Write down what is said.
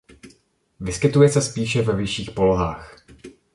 Vyskytuje se spíše ve vyšších polohách.